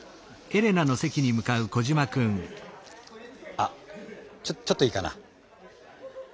あちょちょっといいかな？